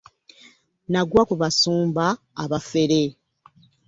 Nagwa ku basumba abafere.